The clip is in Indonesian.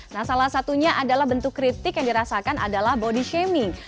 nah salah satunya adalah bentuk kritik yang dirasakan adalah body shaming